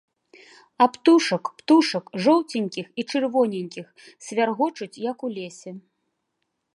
А птушак, птушак, жоўценькіх і чырвоненькіх, свяргочуць, як у лесе.